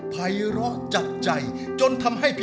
ขอบคุณค่ะ